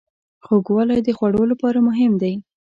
خوږوالی د خوړو لپاره مهم دی.